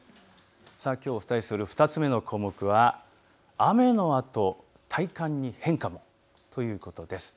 きょうお伝えする２つ目の項目は雨のあと、体感に変化もということです。